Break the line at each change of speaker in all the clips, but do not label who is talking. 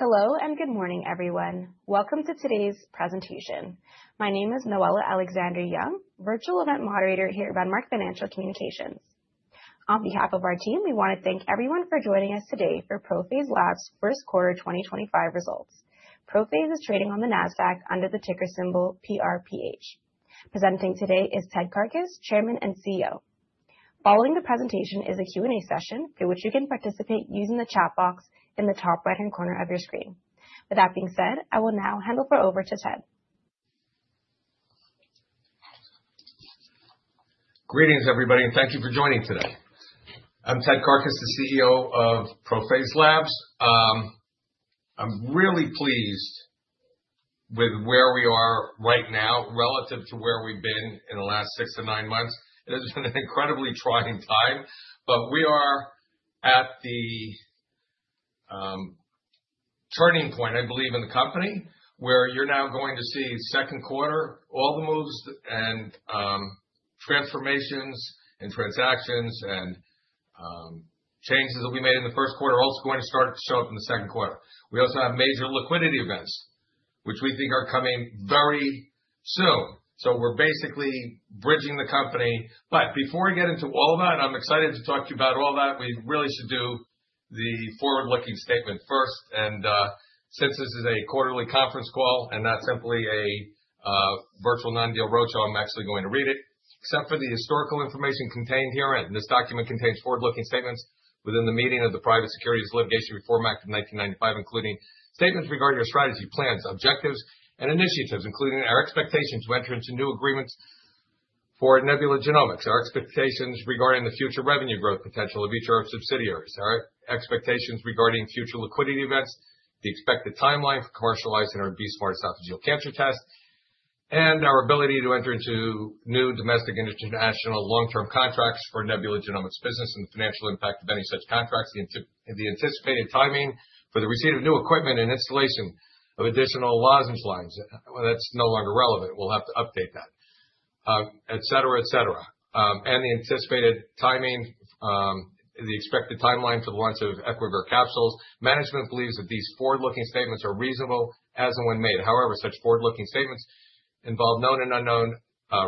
Hello and good morning, everyone. Welcome to today's presentation. My name is Noella Alexandra Young, Virtual Event Moderator here at Renmark Financial Communications. On behalf of our team, we want to thank everyone for joining us today for ProPhase Labs first quarter 2025 results. ProPhase is trading on the NASDAQ under the ticker symbol PRPH. Presenting today is Ted Karkus, Chairman and CEO. Following the presentation is a Q&A session for which you can participate using the chat box in the top right-hand corner of your screen. With that being said, I will now hand over to Ted.
Greetings, everybody, and thank you for joining today. I'm Ted Karkus, the CEO of ProPhase Labs. I'm really pleased with where we are right now relative to where we've been in the last six to nine months. It has been an incredibly trying time, but we are at the turning point, I believe, in the company where you're now going to see second quarter, all the moves and transformations and transactions and changes that we made in the first quarter are also going to start to show up in the second quarter. We also have major liquidity events, which we think are coming very soon. We're basically bridging the company. Before I get into all of that, I'm excited to talk to you about all that. We really should do the forward-looking statement first. Since this is a quarterly conference call and not simply a virtual non-deal roadshow, I'm actually going to read it. "Except for the historical information contained herein, this document contains forward-looking statements within the meaning of the Private Securities Litigation Reform Act of 1995, including statements regarding our strategy, plans, objectives, and initiatives, including our expectation to enter into new agreements for Nebula Genomics, our expectations regarding the future revenue growth potential of each of our subsidiaries, our expectations regarding future liquidity events, the expected timeline for commercializing our BE-Smart esophageal cancer test, and our ability to enter into new domestic and international long-term contracts for Nebula Genomics business and the financial impact of any such contracts, the anticipated timing for the receipt of new equipment and installation of additional lozenge lines." That is no longer relevant. We'll have to update that, et cetera, et cetera. The anticipated timing, the expected timeline for the launch of Equivir capsules. Management believes that these forward-looking statements are reasonable as and when made. However, such forward-looking statements involve known and unknown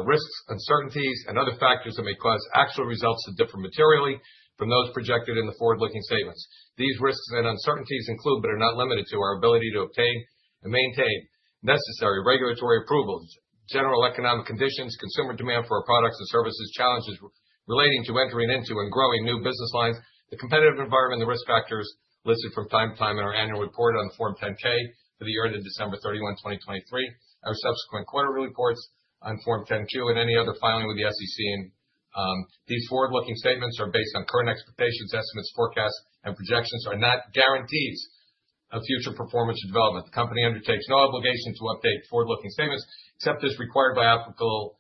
risks, uncertainties, and other factors that may cause actual results to differ materially from those projected in the forward-looking statements. These risks and uncertainties include, but are not limited to, our ability to obtain and maintain necessary regulatory approvals, general economic conditions, consumer demand for our products and services, challenges relating to entering into and growing new business lines, the competitive environment, and the risk factors listed from time to time in our annual report on Form 10-K for the year ended December 31, 2023, our subsequent quarterly reports on Form 10-Q, and any other filing with the SEC. These forward-looking statements are based on current expectations, estimates, forecasts, and projections, are not guarantees of future performance or development. The company undertakes no obligation to update forward-looking statements except as required by applicable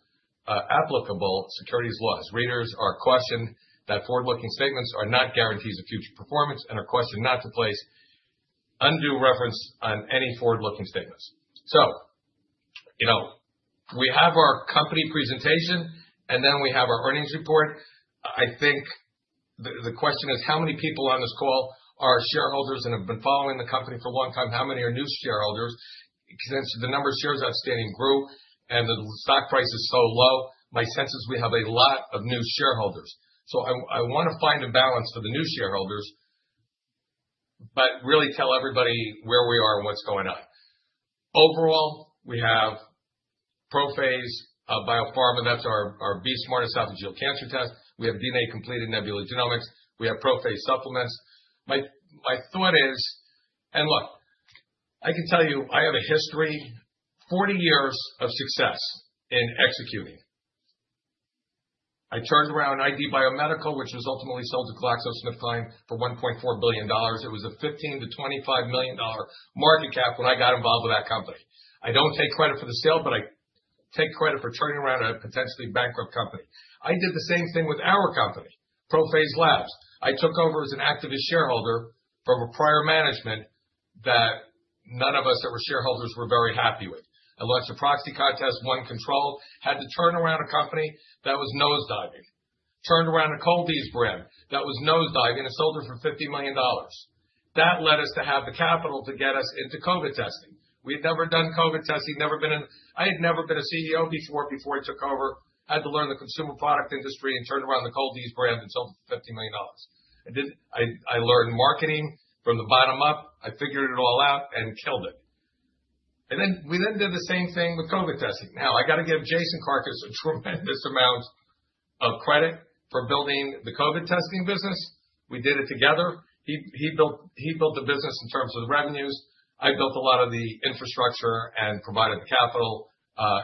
securities laws. Readers are cautioned that forward-looking statements are not guarantees of future performance and are cautioned not to place undue reference on any forward-looking statements. You know, we have our company presentation, and then we have our earnings report. I think the question is, how many people on this call are shareholders and have been following the company for a long time? How many are new shareholders? Since the number of shares outstanding grew and the stock price is so low, my sense is we have a lot of new shareholders. I want to find a balance for the new shareholders, but really tell everybody where we are and what's going on. Overall, we have ProPhase Biopharma. That's our BE-Smart esophageal cancer test. We have DNA Complete and Nebula Genomics. We have ProPhase supplements. My thought is, and look, I can tell you I have a history, 40 years of success in executing. I turned around ID Biomedical, which was ultimately sold to GlaxoSmithKline for $1.4 billion. It was a $15-$25 million market cap when I got involved with that company. I don't take credit for the sale, but I take credit for turning around a potentially bankrupt company. I did the same thing with our company, ProPhase Labs. I took over as an activist shareholder from a prior management that none of us that were shareholders were very happy with. I launched a proxy contest, won control, had to turn around a company that was nosediving, turned around a Cold-Eeze brand that was nosediving and sold it for $50 million. That led us to have the capital to get us into COVID testing. We had never done COVID testing, never been in, I had never been a CEO before, before I took over, had to learn the consumer product industry and turned around the Cold-Eeze brand and sold it for $50 million. I did, I learned marketing from the bottom up. I figured it all out and killed it. We then did the same thing with COVID testing. I got to give Jason Karkus a tremendous amount of credit for building the COVID testing business. We did it together. He built the business in terms of the revenues. I built a lot of the infrastructure and provided the capital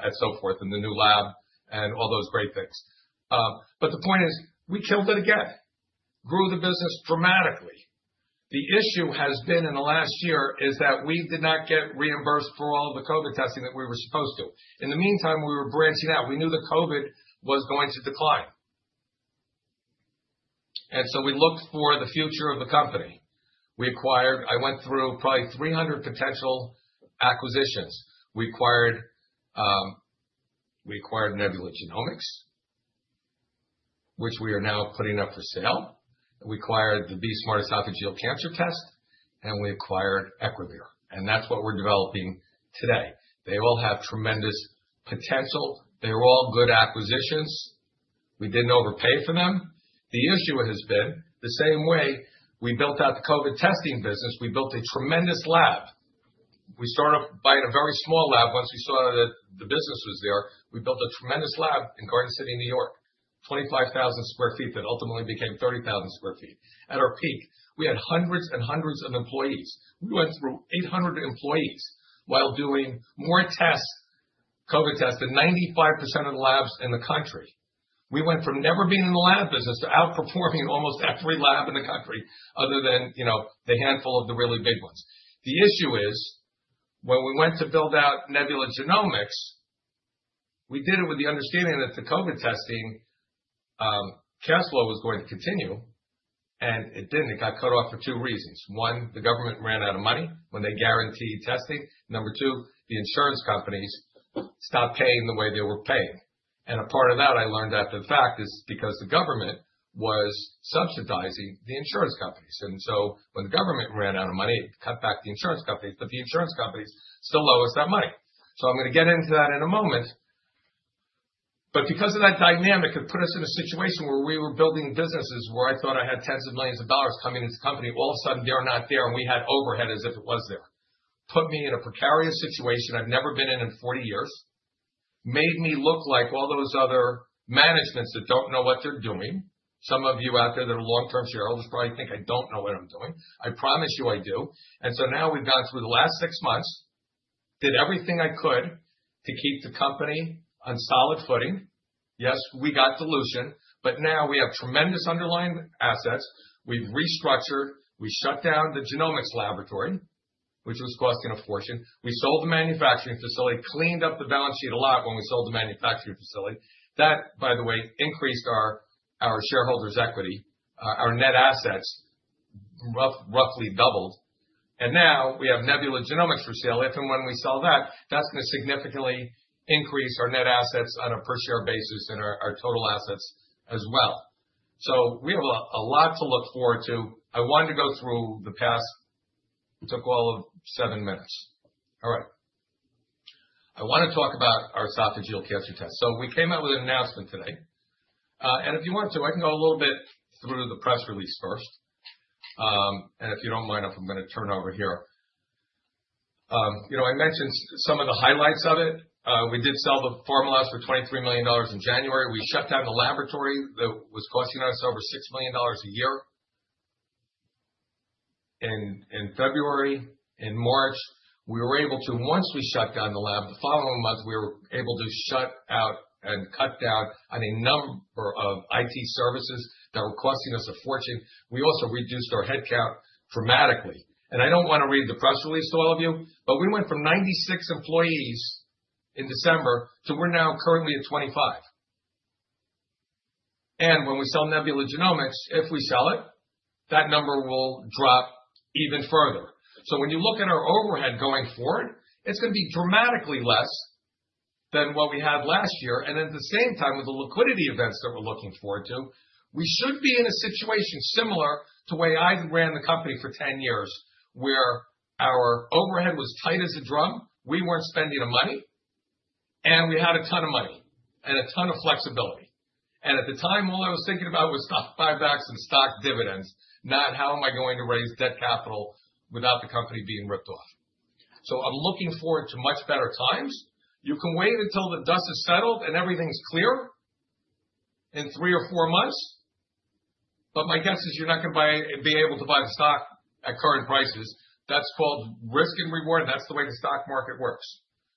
and so forth in the new lab and all those great things. The point is, we killed it again, grew the business dramatically. The issue has been in the last year is that we did not get reimbursed for all of the COVID testing that we were supposed to. In the meantime, we were branching out. We knew the COVID was going to decline. We looked for the future of the company. I went through probably 300 potential acquisitions. We acquired Nebula Genomics, which we are now putting up for sale. We acquired the BE-Smart esophageal cancer test, and we acquired Equivir. That is what we are developing today. They all have tremendous potential. They were all good acquisitions. We did not overpay for them. The issue has been the same way we built out the COVID testing business. We built a tremendous lab. We started by in a very small lab. Once we saw that the business was there, we built a tremendous lab in Garden City, New York, 25,000 sq ft that ultimately became 30,000 sq ft. At our peak, we had hundreds and hundreds of employees. We went through 800 employees while doing more COVID tests than 95% of the labs in the country. We went from never being in the lab business to outperforming almost every lab in the country other than, you know, the handful of the really big ones. The issue is when we went to build out Nebula Genomics, we did it with the understanding that the COVID testing cash flow was going to continue, and it did not. It got cut off for two reasons. One, the government ran out of money when they guaranteed testing. Number two, the insurance companies stopped paying the way they were paying. A part of that I learned after the fact is because the government was subsidizing the insurance companies. When the government ran out of money, it cut back the insurance companies, but the insurance companies still owe us that money. I am going to get into that in a moment. Because of that dynamic, it put us in a situation where we were building businesses where I thought I had tens of millions of dollars coming into the company. All of a sudden, they are not there, and we had overhead as if it was there. Put me in a precarious situation I have never been in in 40 years. Made me look like all those other managements that do not know what they are doing. Some of you out there that are long-term shareholders probably think I don't know what I'm doing. I promise you I do. Now we've gone through the last six months, did everything I could to keep the company on solid footing. Yes, we got dilution, but now we have tremendous underlying assets. We've restructured. We shut down the genomics laboratory, which was costing a fortune. We sold the manufacturing facility, cleaned up the balance sheet a lot when we sold the manufacturing facility. That, by the way, increased our shareholders' equity. Our net assets roughly doubled. Now we have Nebula Genomics for sale. If and when we sell that, that's going to significantly increase our net assets on a per-share basis and our total assets as well. We have a lot to look forward to. I wanted to go through the past. It took all of seven minutes. All right. I want to talk about our esophageal cancer test. We came out with an announcement today. If you want to, I can go a little bit through the press release first. If you do not mind, I am going to turn over here. You know, I mentioned some of the highlights of it. We did sell the formulas for $23 million in January. We shut down the laboratory that was costing us over $6 million a year. In February and March, we were able to, once we shut down the lab, the following month, we were able to shut out and cut down on a number of IT services that were costing us a fortune. We also reduced our headcount dramatically. I do not want to read the press release to all of you, but we went from 96 employees in December to we are now currently at 25. When we sell Nebula Genomics, if we sell it, that number will drop even further. When you look at our overhead going forward, it is going to be dramatically less than what we had last year. At the same time, with the liquidity events that we are looking forward to, we should be in a situation similar to where I ran the company for 10 years, where our overhead was tight as a drum. We were not spending the money, and we had a ton of money and a ton of flexibility. At the time, all I was thinking about was stock buybacks and stock dividends, not how am I going to raise debt capital without the company being ripped off. I'm looking forward to much better times. You can wait until the dust has settled and everything's clear in three or four months. My guess is you're not going to be able to buy the stock at current prices. That's called risk and reward. That's the way the stock market works.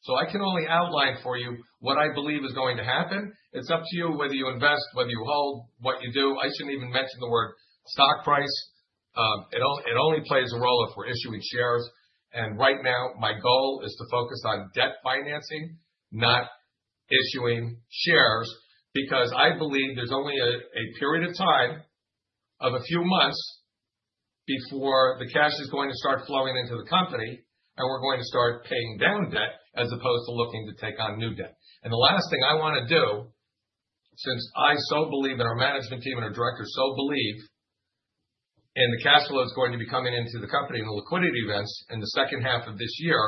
I can only outline for you what I believe is going to happen. It's up to you whether you invest, whether you hold, what you do. I shouldn't even mention the word stock price. It only plays a role if we're issuing shares. Right now, my goal is to focus on debt financing, not issuing shares, because I believe there's only a period of time of a few months before the cash is going to start flowing into the company and we're going to start paying down debt as opposed to looking to take on new debt. The last thing I want to do, since I so believe in our management team and our directors so believe in the cash flow that's going to be coming into the company and the liquidity events in the second half of this year,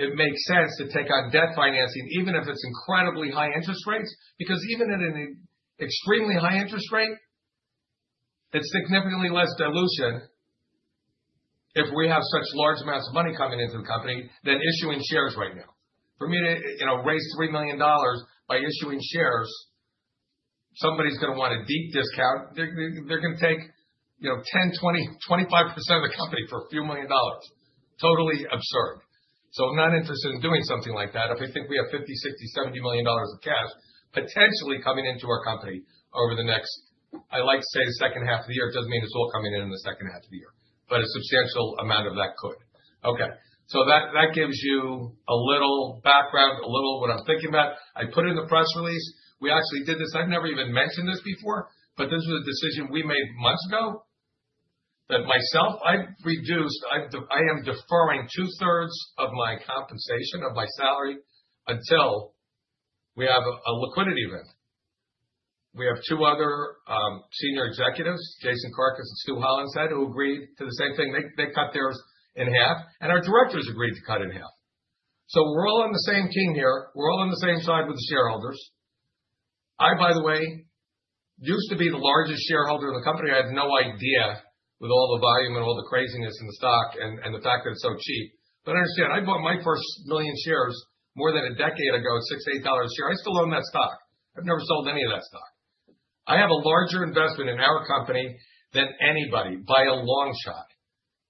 it makes sense to take on debt financing, even if it's incredibly high interest rates, because even at an extremely high interest rate, it's significantly less dilution if we have such large amounts of money coming into the company than issuing shares right now. For me to, you know, raise $3 million by issuing shares, somebody's going to want a deep discount. They're going to take, you know, 10%, 20%, 25% of the company for a few million dollars. Totally absurd. So I'm not interested in doing something like that if I think we have $50 million, $60 million, $70 million of cash potentially coming into our company over the next, I like to say the second half of the year. It doesn't mean it's all coming in in the second half of the year, but a substantial amount of that could. Okay. So that gives you a little background, a little what I'm thinking about. I put it in the press release. We actually did this. I've never even mentioned this before, but this was a decision we made months ago that myself, I've reduced, I am deferring two-thirds of my compensation, of my salary until we have a liquidity event. We have two other senior executives, Jason Karkus and Stu Holland, who agreed to the same thing. They cut theirs in half, and our directors agreed to cut in half. We're all on the same team here. We're all on the same side with the shareholders. I, by the way, used to be the largest shareholder in the company. I had no idea with all the volume and all the craziness in the stock and the fact that it's so cheap. I understand. I bought my first million shares more than a decade ago, $6, $8 a share. I still own that stock. I've never sold any of that stock. I have a larger investment in our company than anybody by a long shot.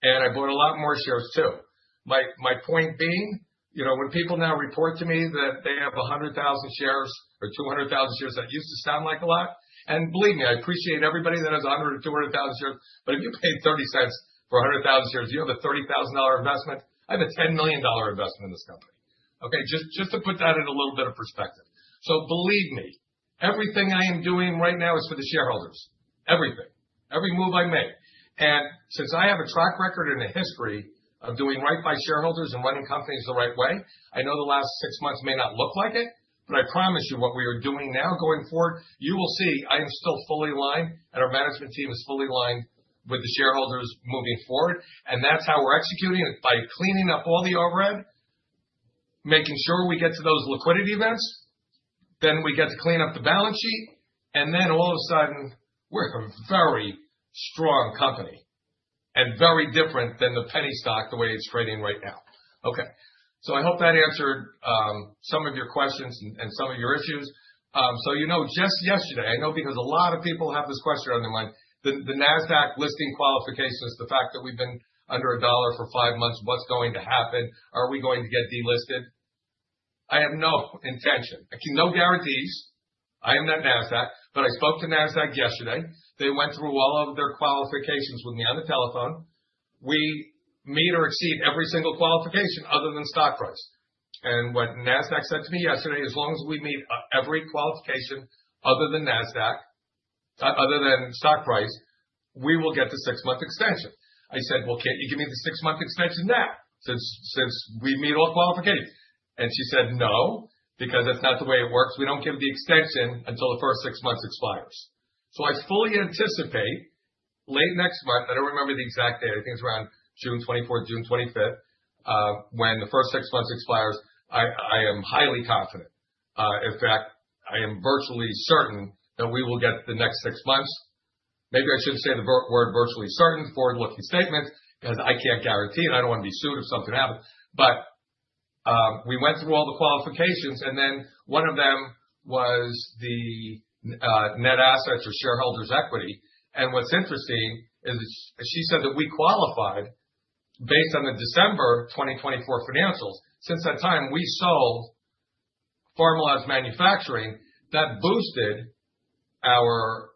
I bought a lot more shares too. My point being, you know, when people now report to me that they have 100,000 shares or 200,000 shares, that used to sound like a lot. Believe me, I appreciate everybody that has 100,000 or 200,000 shares. If you paid $0.30 for 100,000 shares, you have a $30,000 investment. I have a $10 million investment in this company. Okay. Just to put that in a little bit of perspective. Believe me, everything I am doing right now is for the shareholders. Everything. Every move I make. Since I have a track record and a history of doing right by shareholders and running companies the right way, I know the last six months may not look like it, but I promise you what we are doing now going forward, you will see I am still fully aligned and our management team is fully aligned with the shareholders moving forward. That is how we are executing it by cleaning up all the overhead, making sure we get to those liquidity events, then we get to clean up the balance sheet, and then all of a sudden, we are a very strong company and very different than the penny stock the way it is trading right now. I hope that answered some of your questions and some of your issues. You know, just yesterday, I know because a lot of people have this question on their mind, the NASDAQ listing qualifications, the fact that we've been under a dollar for five months, what's going to happen? Are we going to get delisted? I have no intention. I can give no guarantees. I am not NASDAQ, but I spoke to NASDAQ yesterday. They went through all of their qualifications with me on the telephone. We meet or exceed every single qualification other than stock price. What NASDAQ said to me yesterday, as long as we meet every qualification other than stock price, we will get the six-month extension. I said, can't you give me the six-month extension now since we meet all qualifications? She said, no, because that's not the way it works. We don't give the extension until the first six months expires. I fully anticipate late next month. I don't remember the exact date. I think it's around June 24th, June 25th, when the first six months expires. I am highly confident. In fact, I am virtually certain that we will get the next six months. Maybe I shouldn't say the word virtually certain, forward-looking statement, because I can't guarantee and I don't want to be sued if something happens. We went through all the qualifications, and then one of them was the net assets or shareholders' equity. What's interesting is she said that we qualified based on the December 2024 financials. Since that time, we sold Pharmaloz Manufacturing. That boosted our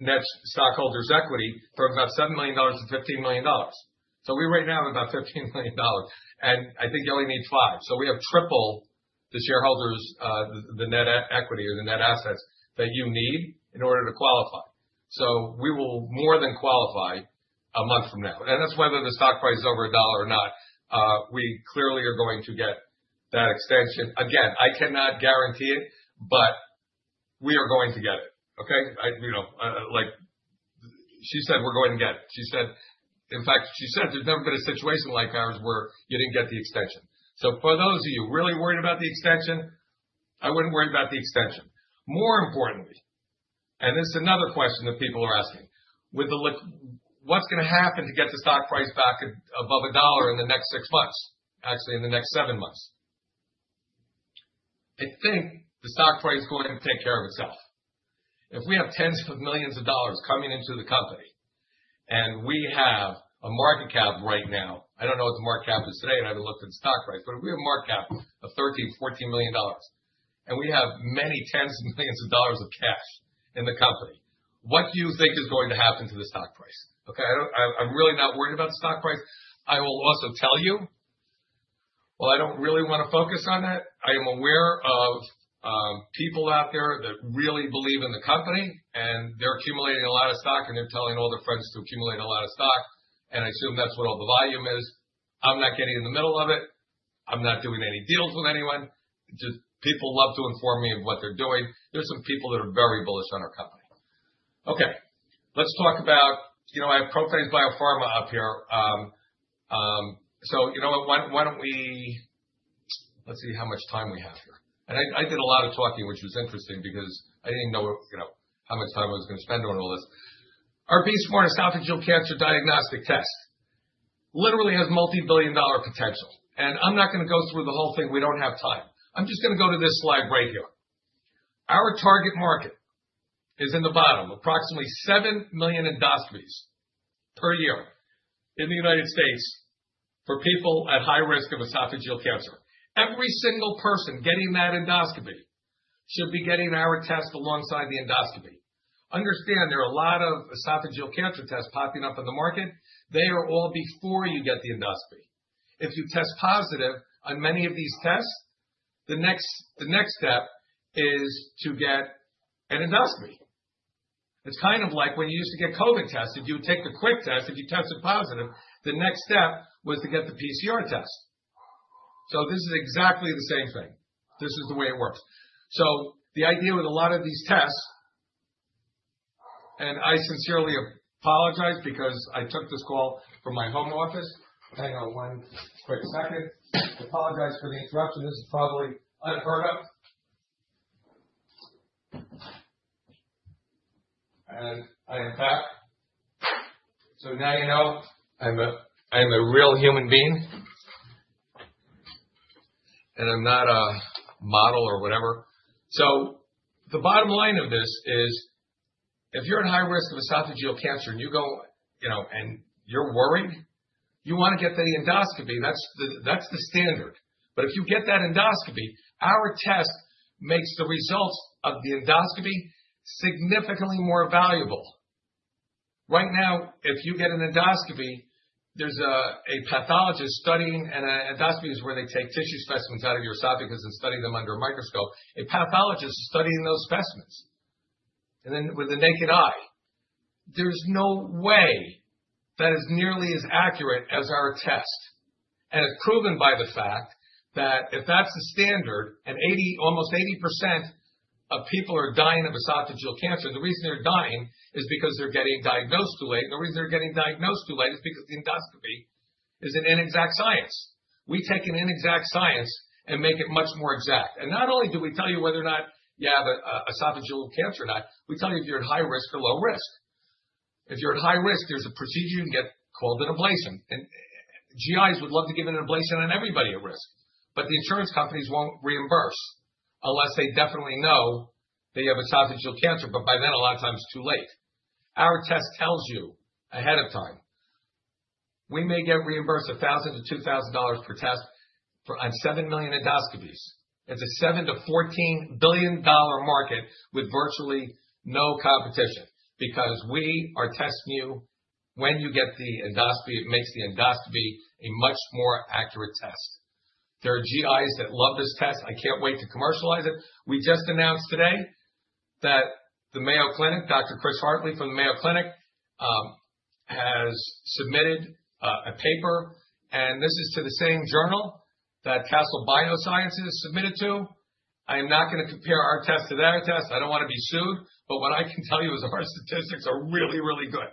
net stockholders' equity from about $7 million to $15 million. We right now have about $15 million. I think you only need five. We have tripled the shareholders, the net equity or the net assets that you need in order to qualify. We will more than qualify a month from now. That is whether the stock price is over a dollar or not. We clearly are going to get that extension. Again, I cannot guarantee it, but we are going to get it. You know, like she said, we are going to get it. She said, in fact, she said there has never been a situation like ours where you did not get the extension. For those of you really worried about the extension, I would not worry about the extension. More importantly, and this is another question that people are asking, what is going to happen to get the stock price back above a dollar in the next six months, actually in the next seven months? I think the stock price is going to take care of itself. If we have tens of millions of dollars coming into the company and we have a market cap right now, I do not know what the market cap is today. I have not looked at the stock price, but if we have a market cap of $13-$14 million, and we have many tens of millions of dollars of cash in the company, what do you think is going to happen to the stock price? Okay. I am really not worried about the stock price. I will also tell you, I do not really want to focus on that. I am aware of people out there that really believe in the company, and they are accumulating a lot of stock, and they are telling all their friends to accumulate a lot of stock. I assume that is what all the volume is. I'm not getting in the middle of it. I'm not doing any deals with anyone. People love to inform me of what they're doing. There's some people that are very bullish on our company. Okay. Let's talk about, you know, I have ProPhase Biopharma up here. You know what? Why don't we, let's see how much time we have here. I did a lot of talking, which was interesting because I didn't even know, you know, how much time I was going to spend on all this. Our BE-Smart esophageal cancer diagnostic test literally has multi-billion dollar potential. I'm not going to go through the whole thing. We don't have time. I'm just going to go to this slide right here. Our target market is in the bottom, approximately 7 million endoscopies per year in the United States for people at high risk of esophageal cancer. Every single person getting that endoscopy should be getting our test alongside the endoscopy. Understand there are a lot of esophageal cancer tests popping up in the market. They are all before you get the endoscopy. If you test positive on many of these tests, the next step is to get an endoscopy. It is kind of like when you used to get COVID tested, you would take the quick test. If you tested positive, the next step was to get the PCR test. This is exactly the same thing. This is the way it works. The idea with a lot of these tests, and I sincerely apologize because I took this call from my home office. Hang on one quick second. Apologize for the interruption. This is probably unheard of. I am back. Now you know I am a real human being. I'm not a model or whatever. The bottom line of this is if you're at high risk of esophageal cancer and you go, you know, and you're worried, you want to get the endoscopy. That's the standard. If you get that endoscopy, our test makes the results of the endoscopy significantly more valuable. Right now, if you get an endoscopy, there's a pathologist studying, and endoscopies where they take tissue specimens out of your esophagus and study them under a microscope, a pathologist is studying those specimens. With the naked eye, there's no way that is nearly as accurate as our test. It's proven by the fact that if that's the standard and almost 80% of people are dying of esophageal cancer, the reason they're dying is because they're getting diagnosed too late. The reason they're getting diagnosed too late is because the endoscopy is an inexact science. We take an inexact science and make it much more exact. Not only do we tell you whether or not you have esophageal cancer or not, we tell you if you're at high risk or low risk. If you're at high risk, there's a procedure you can get called an ablation. GIs would love to give an ablation on everybody at risk, but the insurance companies won't reimburse unless they definitely know they have esophageal cancer. By then, a lot of times it's too late. Our test tells you ahead of time, we may get reimbursed $1,000-$2,000 per test on 7 million endoscopies. It's a $7 billion-$14 billion market with virtually no competition because we are testing you when you get the endoscopy. It makes the endoscopy a much more accurate test. There are GIs that love this test. I can't wait to commercialize it. We just announced today that the Mayo Clinic, Dr. Chris Hartley from the Mayo Clinic has submitted a paper. This is to the same journal that Castle Biosciences submitted to. I am not going to compare our test to their test. I don't want to be sued. What I can tell you is our statistics are really, really good.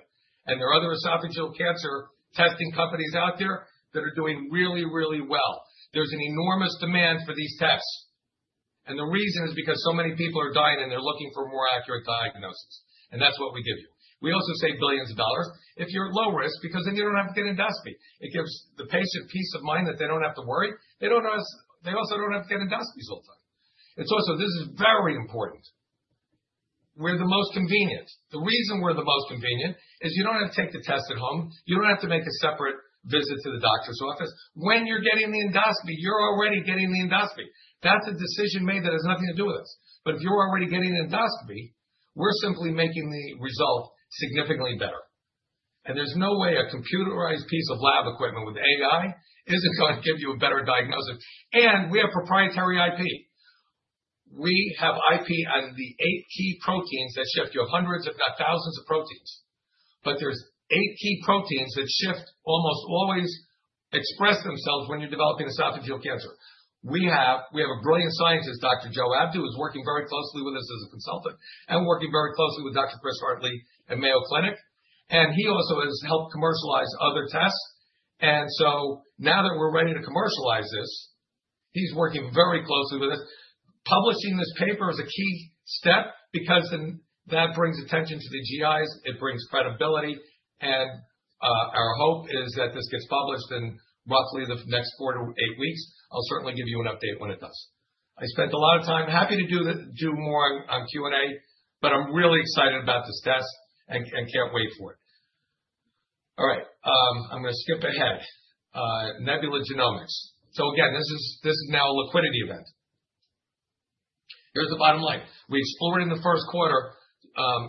There are other esophageal cancer testing companies out there that are doing really, really well. There's an enormous demand for these tests. The reason is because so many people are dying and they're looking for more accurate diagnosis. That's what we give you. We also save billions of dollars if you're at low risk because then you don't have to get endoscopy. It gives the patient peace of mind that they don't have to worry. They also don't have to get endoscopies all the time. This is very important. We're the most convenient. The reason we're the most convenient is you don't have to take the test at home. You don't have to make a separate visit to the doctor's office. When you're getting the endoscopy, you're already getting the endoscopy. That's a decision made that has nothing to do with us. If you're already getting an endoscopy, we're simply making the result significantly better. There's no way a computerized piece of lab equipment with AI isn't going to give you a better diagnosis. We have proprietary IP. We have IP on the eight key proteins that shift you hundreds, if not thousands of proteins. There are eight key proteins that almost always express themselves when you're developing esophageal cancer. We have a brilliant scientist, Dr. Joe Abdu, who is working very closely with us as a consultant and working very closely with Dr. Chris Hartley at Mayo Clinic. He also has helped commercialize other tests. Now that we're ready to commercialize this, he's working very closely with us. Publishing this paper is a key step because that brings attention to the GIs. It brings credibility. Our hope is that this gets published in roughly the next four to eight weeks. I'll certainly give you an update when it does. I spent a lot of time, happy to do more on Q&A, but I'm really excited about this test and can't wait for it. All right. I'm going to skip ahead. Nebula Genomics. Again, this is now a liquidity event. Here's the bottom line. We explored in the first quarter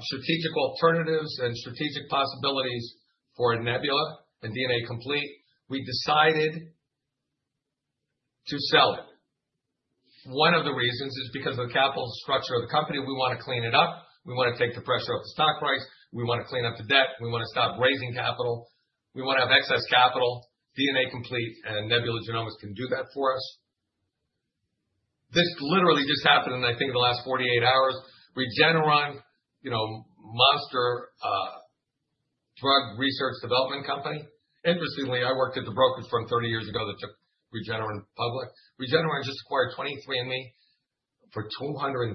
strategic alternatives and strategic possibilities for Nebula and DNA Complete. We decided to sell it. One of the reasons is because of the capital structure of the company. We want to clean it up. We want to take the pressure off the stock price. We want to clean up the debt. We want to stop raising capital. We want to have excess capital. DNA Complete and Nebula Genomics can do that for us. This literally just happened in, I think, the last 48 hours. Regeneron, you know, monster drug research development company. Interestingly, I worked at the Brokers Fund 30 years ago that took Regeneron public. Regeneron just acquired 23andMe for $256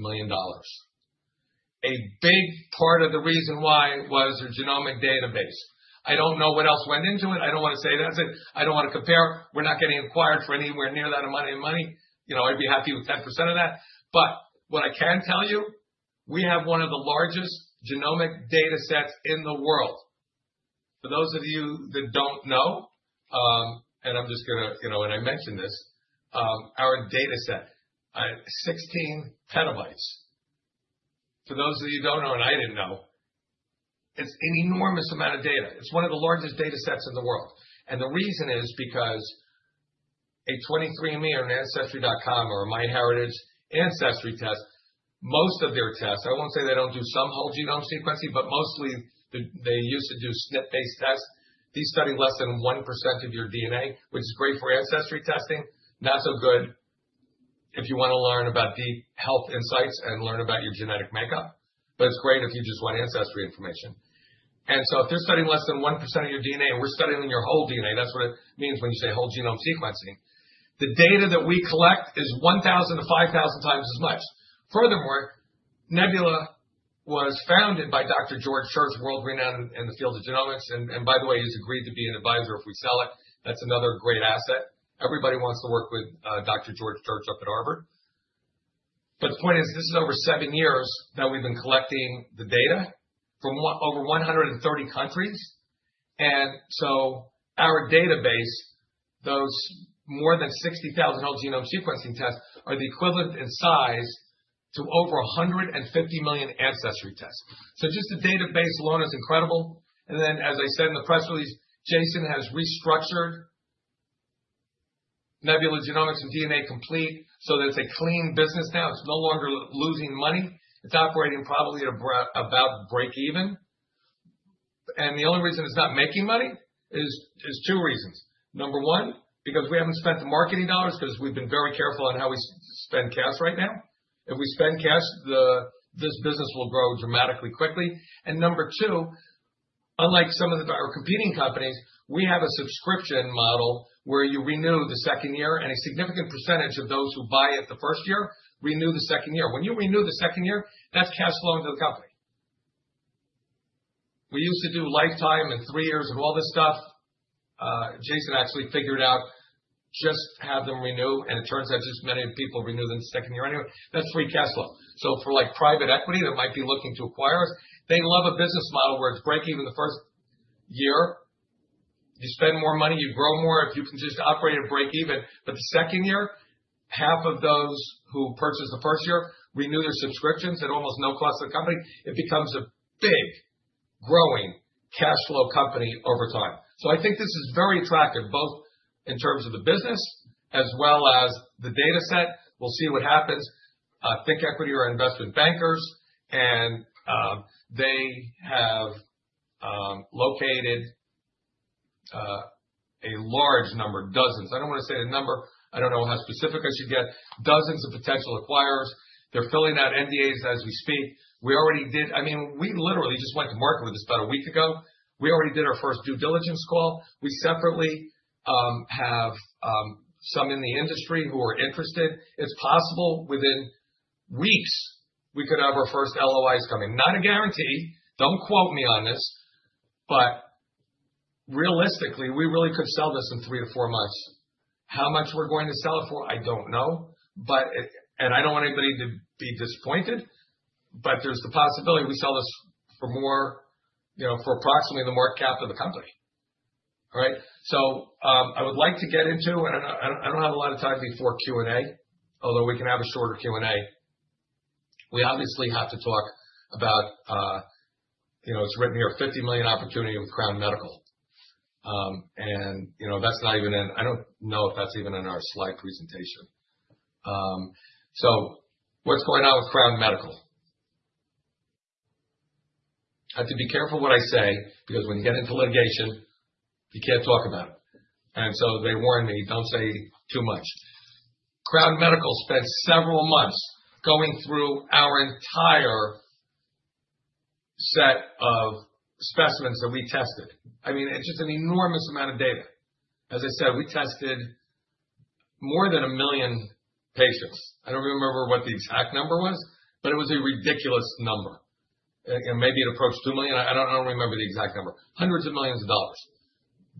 million. A big part of the reason why was their genomic database. I do not know what else went into it. I don't want to say that's it. I don't want to compare. We're not getting acquired for anywhere near that amount of money. You know, I'd be happy with 10% of that. What I can tell you, we have one of the largest genomic data sets in the world. For those of you that don't know, and I'm just going to, you know, and I mentioned this, our data set is 16 petabytes. For those of you who don't know, and I didn't know, it's an enormous amount of data. It's one of the largest data sets in the world. The reason is because a 23andMe or Ancestry.com or MyHeritage ancestry test, most of their tests, I won't say they don't do some whole genome sequencing, but mostly they used to do SNP-based tests. These study less than 1% of your DNA, which is great for ancestry testing. Not so good if you want to learn about deep health insights and learn about your genetic makeup, but it's great if you just want ancestry information. If they're studying less than 1% of your DNA and we're studying your whole DNA, that's what it means when you say whole genome sequencing. The data that we collect is 1,000-5,000 times as much. Furthermore, Nebula was founded by Dr. George Church, world-renowned in the field of genomics. By the way, he's agreed to be an advisor if we sell it. That's another great asset. Everybody wants to work with Dr. George Church up at Harvard. The point is, this is over seven years that we've been collecting the data from over 130 countries. Our database, those more than 60,000 whole genome sequencing tests, are the equivalent in size to over 150 million ancestry tests. Just the database alone is incredible. As I said in the press release, Jason has restructured Nebula Genomics and DNA Complete so that it is a clean business now. It is no longer losing money. It is operating probably at about break even. The only reason it is not making money is two reasons. Number one, because we have not spent the marketing dollars because we have been very careful on how we spend cash right now. If we spend cash, this business will grow dramatically quickly. Number two, unlike some of our competing companies, we have a subscription model where you renew the second year and a significant percentage of those who buy it the first year renew the second year. When you renew the second year, that's cash flowing to the company. We used to do lifetime and three years and all this stuff. Jason actually figured out just have them renew, and it turns out just many people renew them the second year anyway. That's free cash flow. For like private equity that might be looking to acquire us, they love a business model where it's break even the first year. You spend more money, you grow more if you can just operate at break even. The second year, half of those who purchase the first year renew their subscriptions at almost no cost to the company. It becomes a big growing cash flow company over time. I think this is very attractive both in terms of the business as well as the data set. We'll see what happens. ThinkEquity are investment bankers, and they have located a large number, dozens. I do not want to say the number. I do not know how specific I should get. Dozens of potential acquirers. They are filling out NDAs as we speak. We already did, I mean, we literally just went to market with this about a week ago. We already did our first due diligence call. We separately have some in the industry who are interested. It is possible within weeks we could have our first LOIs coming. Not a guarantee. Do not quote me on this. Realistically, we really could sell this in three to four months. How much we are going to sell it for, I do not know. I do not want anybody to be disappointed, but there is the possibility we sell this for more, you know, for approximately the market cap of the company. All right. I would like to get into, and I do not have a lot of time before Q&A, although we can have a shorter Q&A. We obviously have to talk about, you know, it is written here, $50 million opportunity with Crown Medical. You know, that is not even in, I do not know if that is even in our slide presentation. What is going on with Crown Medical? I have to be careful what I say because when you get into litigation, you cannot talk about it. They warn me, do not say too much. Crown Medical spent several months going through our entire set of specimens that we tested. I mean, it is just an enormous amount of data. As I said, we tested more than a million patients. I do not remember what the exact number was, but it was a ridiculous number. Maybe it approached 2 million. I don't remember the exact number. Hundreds of millions of dollars.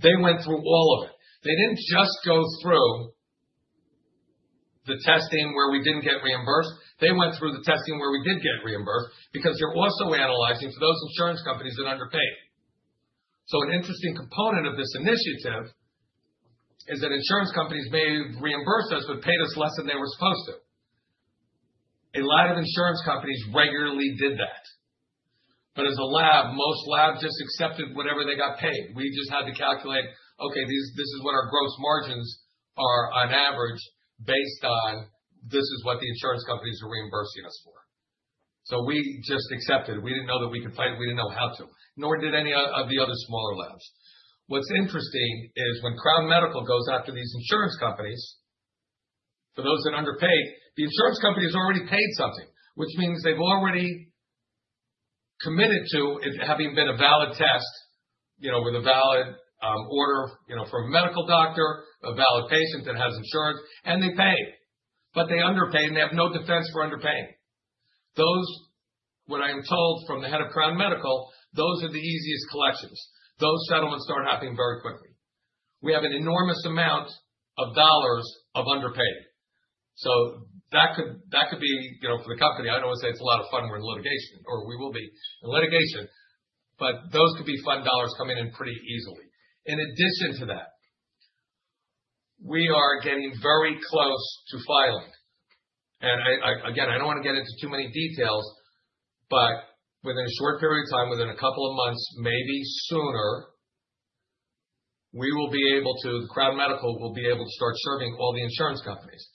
They went through all of it. They didn't just go through the testing where we didn't get reimbursed. They went through the testing where we did get reimbursed because they're also analyzing for those insurance companies that underpaid. An interesting component of this initiative is that insurance companies may have reimbursed us, but paid us less than they were supposed to. A lot of insurance companies regularly did that. As a lab, most labs just accepted whatever they got paid. We just had to calculate, okay, this is what our gross margins are on average based on this is what the insurance companies are reimbursing us for. We just accepted. We didn't know that we could fight it. We didn't know how to. Nor did any of the other smaller labs. What's interesting is when Crown Medical goes after these insurance companies, for those that underpaid, the insurance company has already paid something, which means they've already committed to it having been a valid test, you know, with a valid order, you know, from a medical doctor, a valid patient that has insurance, and they pay. But they underpay and they have no defense for underpaying. Those, what I am told from the head of Crown Medical, those are the easiest collections. Those settlements start happening very quickly. We have an enormous amount of dollars of underpay. That could be, you know, for the company, I don't want to say it's a lot of fun when litigation, or we will be in litigation, but those could be fun dollars coming in pretty easily. In addition to that, we are getting very close to filing. I do not want to get into too many details, but within a short period of time, within a couple of months, maybe sooner, we will be able to, Crown Medical will be able to start serving all the insurance companies.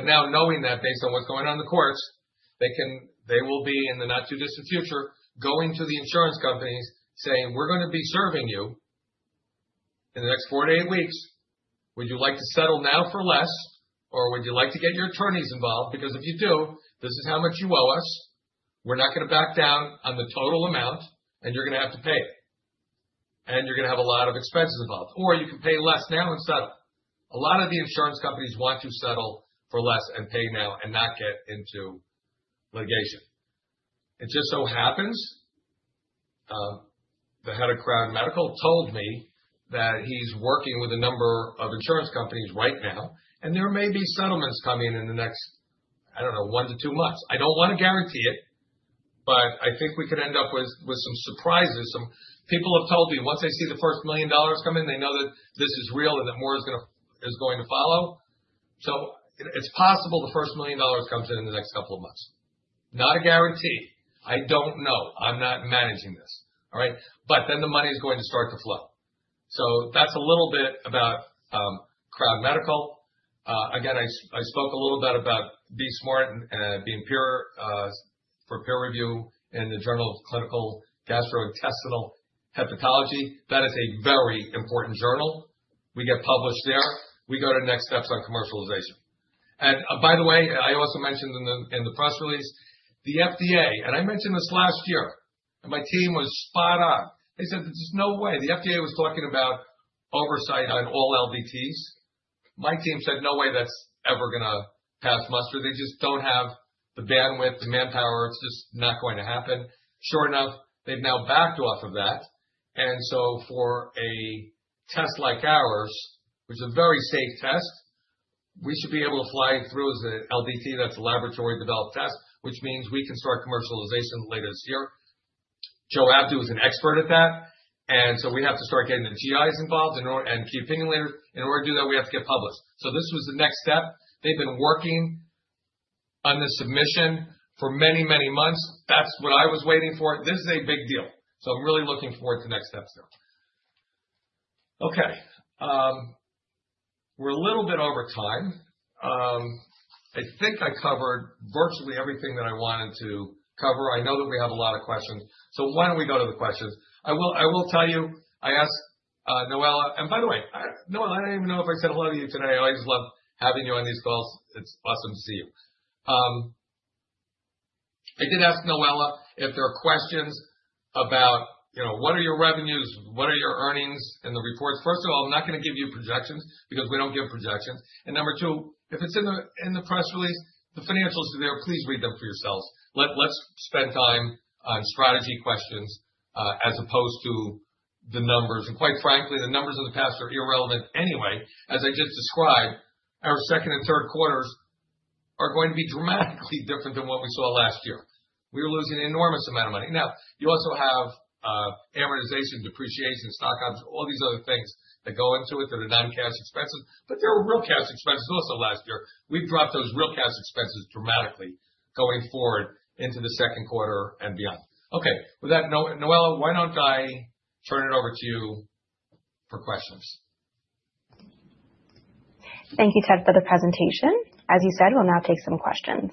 Now knowing that based on what is going on in the courts, they can, they will be in the not too distant future going to the insurance companies saying, we are going to be serving you in the next four to eight weeks. Would you like to settle now for less, or would you like to get your attorneys involved? Because if you do, this is how much you owe us. We are not going to back down on the total amount, and you are going to have to pay. You are going to have a lot of expenses involved. Or you can pay less now and settle. A lot of the insurance companies want to settle for less and pay now and not get into litigation. It just so happens the head of Crown Medical told me that he's working with a number of insurance companies right now, and there may be settlements coming in the next, I don't know, one to two months. I don't want to guarantee it, but I think we could end up with some surprises. Some people have told me once they see the first $1 million come in, they know that this is real and that more is going to follow. So it's possible the first $1 million comes in in the next couple of months. Not a guarantee. I don't know. I'm not managing this. All right. But then the money is going to start to flow. So that's a little bit about Crown Medical. Again, I spoke a little bit about BE-Smart and being pure for peer review in the Journal of Clinical Gastrointestinal Hepatology. That is a very important journal. We get published there. We go to next steps on commercialization. By the way, I also mentioned in the press release, the FDA, and I mentioned this last year, and my team was spot on. They said there's no way. The FDA was talking about oversight on all LDTs. My team said no way that's ever going to pass muster. They just don't have the bandwidth, the manpower. It's just not going to happen. Sure enough, they've now backed off of that. For a test like ours, which is a very safe test, we should be able to fly through as an LDT. That's a laboratory developed test, which means we can start commercialization later this year. Joe Abdu is an expert at that. And so we have to start getting the GIs involved and key opinion leaders. In order to do that, we have to get published. This was the next step. They've been working on this submission for many, many months. That's what I was waiting for. This is a big deal. I'm really looking forward to the next steps there. Okay. We're a little bit over time. I think I covered virtually everything that I wanted to cover. I know that we have a lot of questions. Why don't we go to the questions? I will tell you, I asked Noella, and by the way, Noella, I don't even know if I said hello to you today. I always love having you on these calls. It's awesome to see you. I did ask Noella if there are questions about, you know, what are your revenues, what are your earnings and the reports. First of all, I'm not going to give you projections because we don't give projections. Number two, if it's in the press release, the financials are there. Please read them for yourselves. Let's spend time on strategy questions as opposed to the numbers. Quite frankly, the numbers of the past are irrelevant anyway. As I just described, our second and third quarters are going to be dramatically different than what we saw last year. We were losing an enormous amount of money. Now, you also have amortization, depreciation, stock options, all these other things that go into it that are non-cash expenses, but there are real cash expenses also last year. We've dropped those real cash expenses dramatically going forward into the second quarter and beyond. Okay. With that, Noella, why don't I turn it over to you for questions? Thank you, Ted, for the presentation. As you said, we'll now take some questions.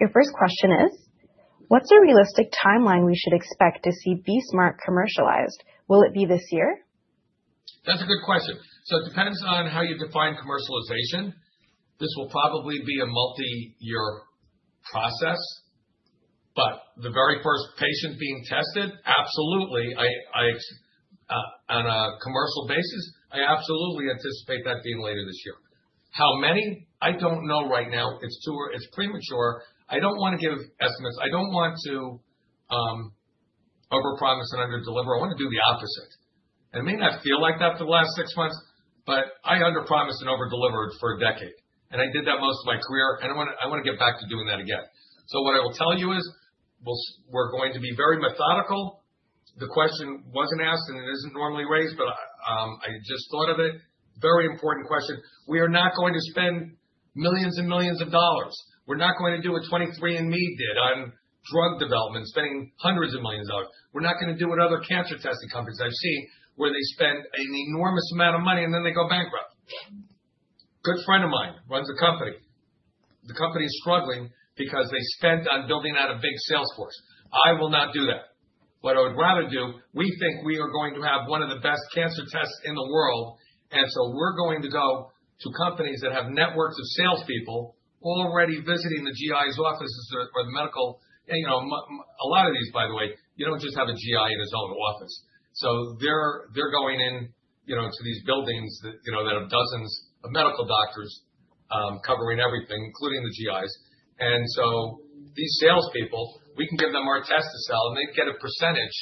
Your first question is, what's a realistic timeline we should expect to see BE-Smart commercialized? Will it be this year? That's a good question. It depends on how you define commercialization. This will probably be a multi-year process, but the very first patient being tested, absolutely, on a commercial basis, I absolutely anticipate that being later this year. How many? I don't know right now. It's premature. I don't want to give estimates. I don't want to overpromise and underdeliver. I want to do the opposite. It may not feel like that for the last six months, but I underpromised and overdelivered for a decade. I did that most of my career, and I want to get back to doing that again. What I will tell you is we're going to be very methodical. The question was not asked, and it is not normally raised, but I just thought of it. Very important question. We are not going to spend millions and millions of dollars. We're not going to do what 23andMe did on drug development, spending hundreds of millions of dollars. We're not going to do what other cancer testing companies I have seen where they spend an enormous amount of money and then they go bankrupt. A good friend of mine runs a company. The company is struggling because they spent on building out a big sales force. I will not do that. What I would rather do, we think we are going to have one of the best cancer tests in the world, and so we're going to go to companies that have networks of salespeople already visiting the GI's offices or the medical, you know, a lot of these, by the way, you don't just have a GI in his own office. They're going in, you know, to these buildings that have dozens of medical doctors covering everything, including the GIs. These salespeople, we can give them our test to sell, and they get a percentage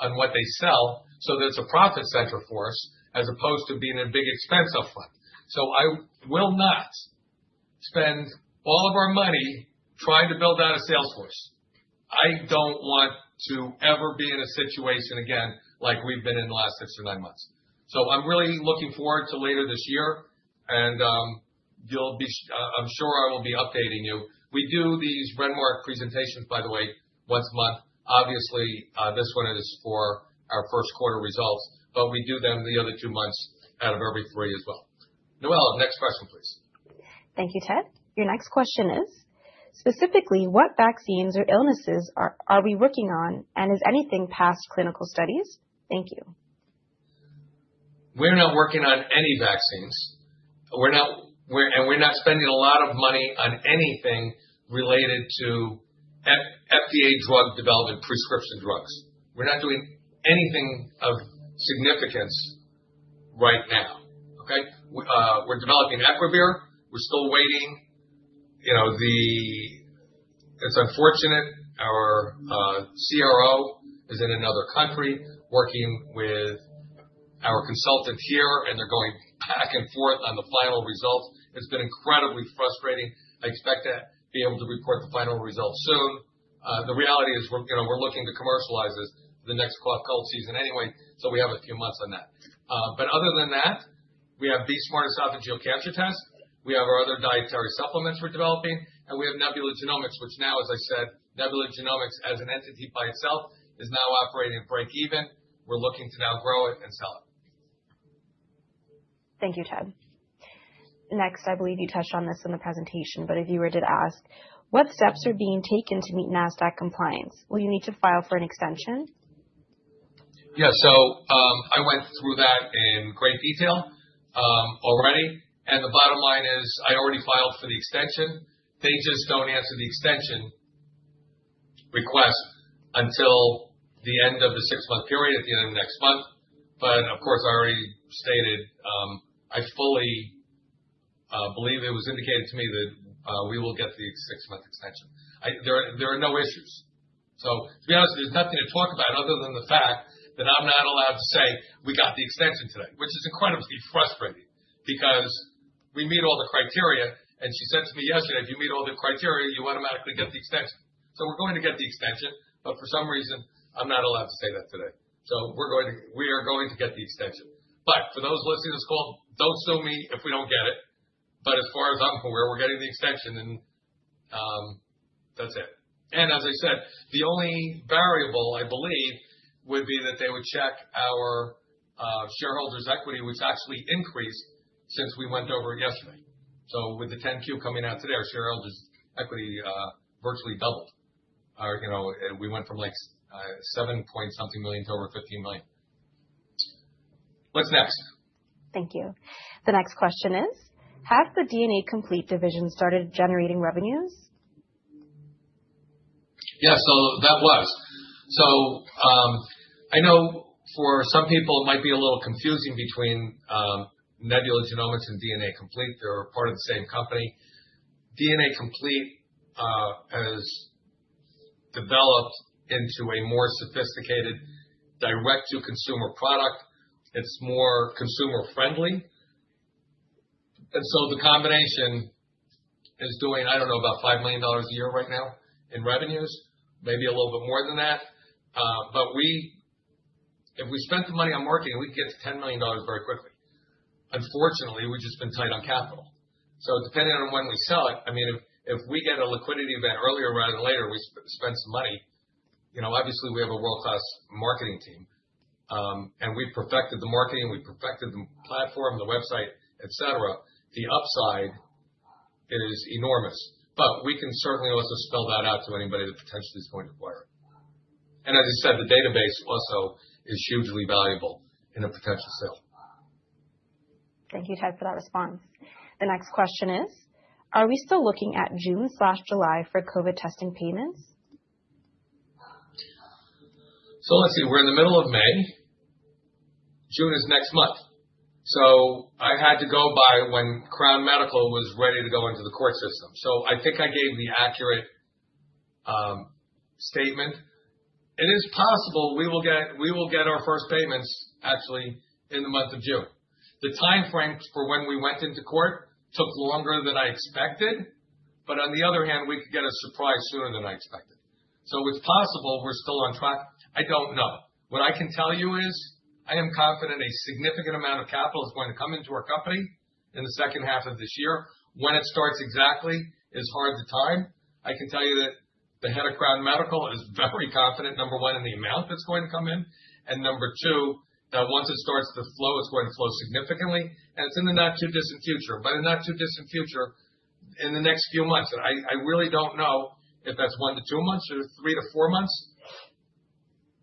on what they sell so that it's a profit center for us as opposed to being a big expense upfront. I will not spend all of our money trying to build out a sales force. I don't want to ever be in a situation again like we've been in the last six or nine months. I'm really looking forward to later this year, and you'll be, I'm sure I will be updating you. We do these Renwark presentations, by the way, once a month. Obviously, this one is for our first quarter results, but we do them the other two months out of every three as well. Noella, next question, please.
Thank you, Ted. Your next question is, specifically, what vaccines or illnesses are we working on, and is anything past clinical studies? Thank you.
We're not working on any vaccines. We're not, and we're not spending a lot of money on anything related to FDA drug development prescription drugs. We're not doing anything of significance right now. Okay. We're developing Equivir. We're still waiting. You know, it's unfortunate. Our CRO is in another country working with our consultant here, and they're going back and forth on the final results. It's been incredibly frustrating. I expect to be able to report the final results soon. The reality is, you know, we're looking to commercialize this for the next cold season anyway, so we have a few months on that. Other than that, we have BE-Smart Esophageal Cancer Test. We have our other dietary supplements we're developing, and we have Nebula Genomics, which now, as I said, Nebula Genomics as an entity by itself is now operating at break-even. We're looking to now grow it and sell it.
Thank you, Ted. Next, I believe you touched on this in the presentation, but if you were to ask, what steps are being taken to meet NASDAQ compliance? Will you need to file for an extension?
Yeah. I went through that in great detail already. The bottom line is I already filed for the extension. They just do not answer the extension request until the end of the six-month period at the end of next month. Of course, I already stated I fully believe it was indicated to me that we will get the six-month extension. There are no issues. To be honest, there is nothing to talk about other than the fact that I am not allowed to say we got the extension today, which is incredibly frustrating because we meet all the criteria. She said to me yesterday, if you meet all the criteria, you automatically get the extension. We are going to get the extension, but for some reason, I am not allowed to say that today. We are going to get the extension. For those listening to this call, do not sue me if we do not get it. As far as I am aware, we are getting the extension and that is it. As I said, the only variable I believe would be that they would check our shareholders' equity, which actually increased since we went over it yesterday. With the 10Q coming out today, our shareholders' equity virtually doubled. You know, we went from like $7 million-something to over $15 million. What is next?
Thank you. The next question is, has the DNA Complete division started generating revenues?
Yeah, that was. I know for some people it might be a little confusing between Nebula Genomics and DNA Complete. They are part of the same company. DNA Complete has developed into a more sophisticated direct-to-consumer product. It is more consumer-friendly. The combination is doing, I don't know, about $5 million a year right now in revenues, maybe a little bit more than that. If we spent the money on marketing, we'd get to $10 million very quickly. Unfortunately, we've just been tight on capital. Depending on when we sell it, I mean, if we get a liquidity event earlier rather than later, we spend some money. You know, obviously we have a world-class marketing team and we've perfected the marketing, we've perfected the platform, the website, et cetera. The upside is enormous, but we can certainly also spell that out to anybody that potentially is going to acquire it. As I said, the database also is hugely valuable in a potential sale.
Thank you, Ted, for that response. The next question is, are we still looking at June/July for COVID testing payments?
Let's see. We're in the middle of May. June is next month. I had to go by when Crown Medical was ready to go into the court system. I think I gave the accurate statement. It is possible we will get our first payments actually in the month of June. The timeframe for when we went into court took longer than I expected, but on the other hand, we could get a surprise sooner than I expected. It's possible we're still on track. I don't know. What I can tell you is I am confident a significant amount of capital is going to come into our company in the second half of this year. When it starts exactly is hard to time. I can tell you that the head of Crown Medical is very confident, number one, in the amount that's going to come in. Number two, that once it starts to flow, it's going to flow significantly. It's in the not too distant future, but in not too distant future in the next few months. I really do not know if that's one to two months or three to four months.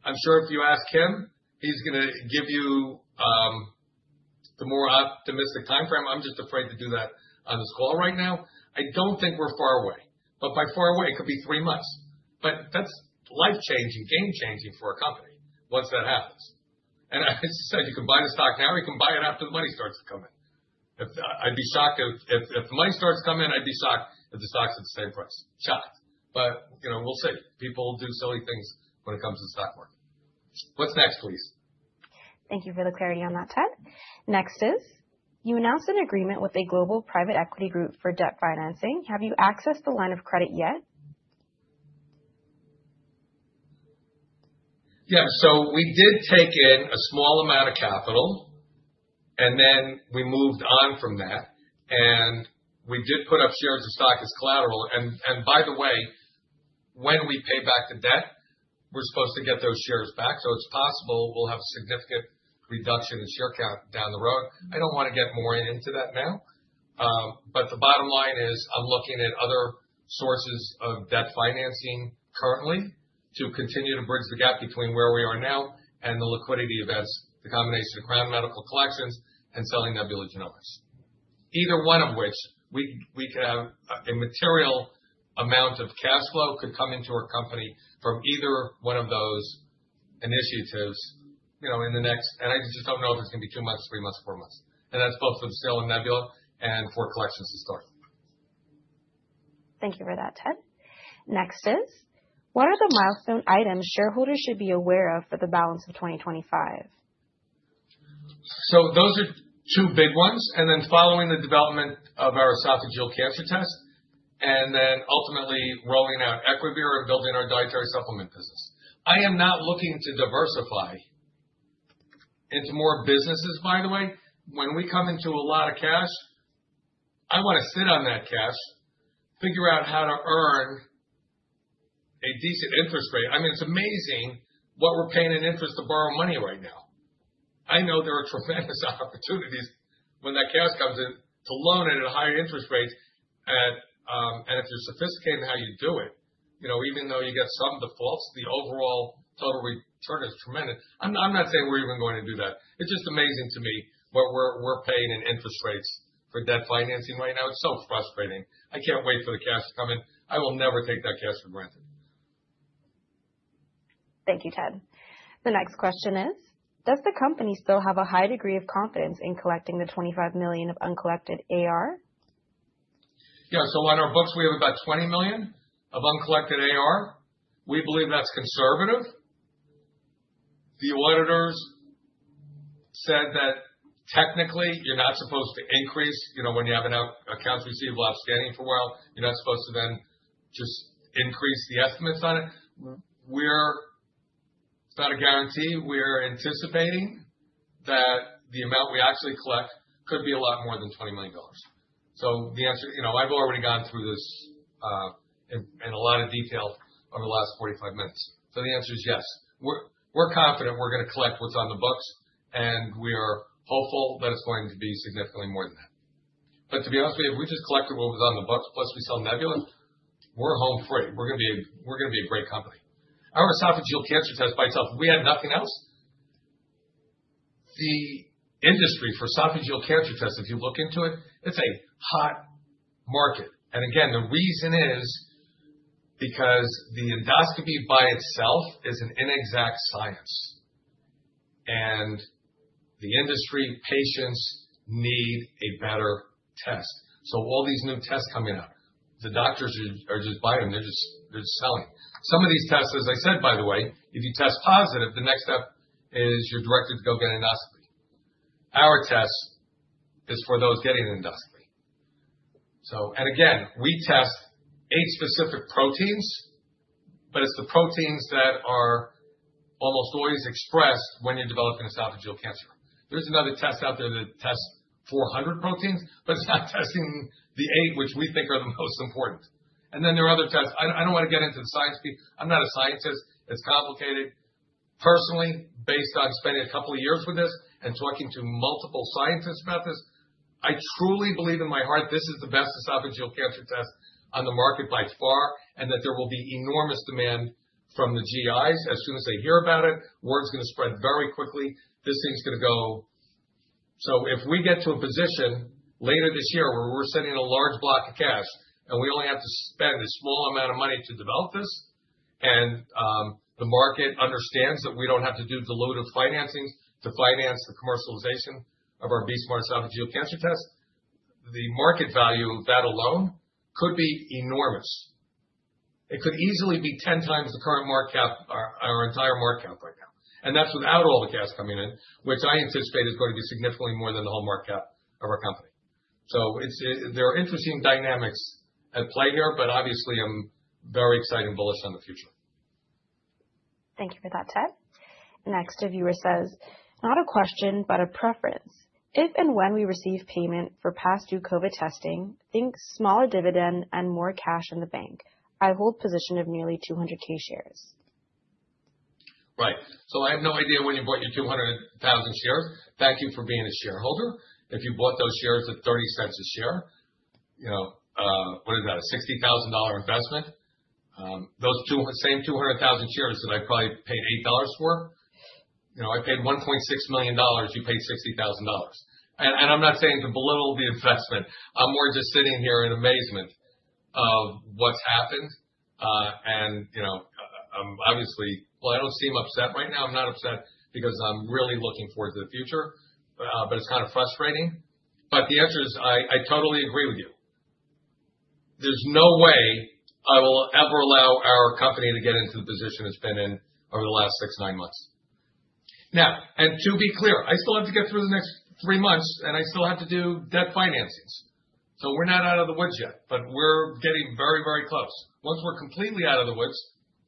I'm sure if you ask him, he's going to give you the more optimistic timeframe. I'm just afraid to do that on this call right now. I do not think we're far away, but by far away, it could be three months. That's life-changing, game-changing for a company once that happens. As I said, you can buy the stock now or you can buy it after the money starts to come in. I'd be shocked if the money starts to come in, I'd be shocked if the stock's at the same price. Shocked. You know, we'll see. People do silly things when it comes to the stock market. What's next, please?
Thank you for the clarity on that, Ted. Next is, you announced an agreement with a global private equity group for debt financing. Have you accessed the line of credit yet?
Yeah. We did take in a small amount of capital, and then we moved on from that. We did put up shares of stock as collateral. By the way, when we pay back the debt, we're supposed to get those shares back. It is possible we'll have a significant reduction in share count down the road. I do not want to get more into that now. The bottom line is I'm looking at other sources of debt financing currently to continue to bridge the gap between where we are now and the liquidity events, the combination of Crown Medical collections and selling Nebula Genomics. Either one of which we could have a material amount of cash flow could come into our company from either one of those initiatives, you know, in the next, and I just do not know if it is going to be two months, three months, four months. That is both from sale and Nebula and for collections to start.
Thank you for that, Ted. Next is, what are the milestone items shareholders should be aware of for the balance of 2025?
Those are two big ones. Then following the development of our esophageal cancer test and ultimately rolling out Equivir and building our dietary supplement business. I am not looking to diversify into more businesses, by the way. When we come into a lot of cash, I want to sit on that cash, figure out how to earn a decent interest rate. I mean, it's amazing what we're paying in interest to borrow money right now. I know there are tremendous opportunities when that cash comes in to loan it at higher interest rates. If you're sophisticated in how you do it, you know, even though you get some defaults, the overall total return is tremendous. I'm not saying we're even going to do that. It's just amazing to me what we're paying in interest rates for debt financing right now. It's so frustrating. I can't wait for the cash to come in. I will never take that cash for granted.
Thank you, Ted. The next question is, does the company still have a high degree of confidence in collecting the $25 million of uncollected AR?
Yeah. So on our books, we have about $20 million of uncollected AR. We believe that's conservative. The auditors said that technically you're not supposed to increase, you know, when you have an accounts receivable outstanding for a while, you're not supposed to then just increase the estimates on it. We're, it's not a guarantee. We're anticipating that the amount we actually collect could be a lot more than $20 million. The answer, you know, I've already gone through this in a lot of detail over the last 45 minutes. The answer is yes. We're confident we're going to collect what's on the books, and we are hopeful that it's going to be significantly more than that. To be honest with you, if we just collected what was on the books, plus we sell Nebula, we're home free. We're going to be a great company. Our esophageal cancer test by itself, if we had nothing else, the industry for esophageal cancer tests, if you look into it, it's a hot market. The reason is because the endoscopy by itself is an inexact science, and the industry patients need a better test. All these new tests coming out, the doctors are just buying them. They're just selling. Some of these tests, as I said, by the way, if you test positive, the next step is you're directed to go get an endoscopy. Our test is for those getting an endoscopy. We test eight specific proteins, but it's the proteins that are almost always expressed when you're developing esophageal cancer. There's another test out there that tests 400 proteins, but it's not testing the eight, which we think are the most important. And then there are other tests. I don't want to get into the science. I'm not a scientist. It's complicated. Personally, based on spending a couple of years with this and talking to multiple scientists about this, I truly believe in my heart this is the best esophageal cancer test on the market by far and that there will be enormous demand from the GIs as soon as they hear about it. Word's going to spread very quickly. This thing's going to go. If we get to a position later this year where we're sending a large block of cash and we only have to spend a small amount of money to develop this and the market understands that we don't have to do dilutive financing to finance the commercialization of our BE-Smart Esophageal Cancer Test, the market value of that alone could be enormous. It could easily be 10 times the current market cap, our entire market cap right now. That's without all the cash coming in, which I anticipate is going to be significantly more than the whole market cap of our company. There are interesting dynamics at play here, but obviously I'm very excited and bullish on the future.
Thank you for that, Ted. Next, a viewer says, not a question, but a preference. If and when we receive payment for past due COVID testing, think smaller dividend and more cash in the bank. I hold a position of nearly 200,000 shares.
Right. So I have no idea when you bought your 200,000 shares. Thank you for being a shareholder. If you bought those shares at $0.30 a share, you know, what is that, a $60,000 investment? Those same 200,000 shares that I probably paid $8 for, you know, I paid $1,600,000, you paid $60,000. And I'm not saying to belittle the investment. I'm more just sitting here in amazement of what's happened. You know, I'm obviously, well, I don't seem upset right now. I'm not upset because I'm really looking forward to the future, but it's kind of frustrating. The answer is I totally agree with you. There's no way I will ever allow our company to get into the position it's been in over the last six, nine months. Now, and to be clear, I still have to get through the next three months and I still have to do debt financings. So we're not out of the woods yet, but we're getting very, very close. Once we're completely out of the woods